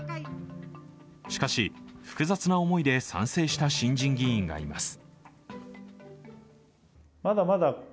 しかし、複雑な思いで賛成した新人議員がいます。